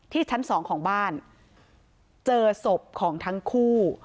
ชั้นสองของบ้านเจอศพของทั้งคู่